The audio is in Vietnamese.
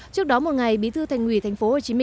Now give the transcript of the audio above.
trước đó một ngày bí thư thành ủy tp hcm